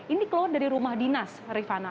ini keluar dari rumah dinas rifana